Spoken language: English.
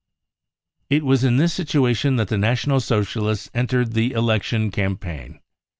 It was in this sit uation that the National Socialists entered the election Campaign.